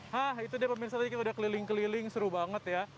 hah itu dia pemirsa tadi kita udah keliling keliling seru banget ya